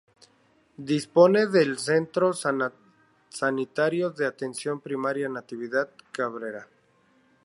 Dispone del Centro Sanitario de Atención Primaria "Natividad Cabrera".